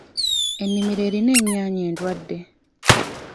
Ennimiro erina ennyaanya endwadde.